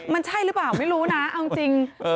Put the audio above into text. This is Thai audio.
มันใช่หรือเปล่าไม่รู้นะเอาจริง